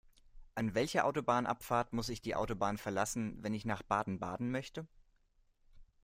An welcher Autobahnabfahrt muss ich die Autobahn verlassen, wenn ich nach Baden-Baden möchte?